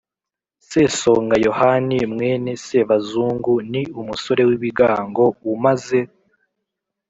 Sesonga Yohani mwene Sebazungu ni umusore w’ibigango umaze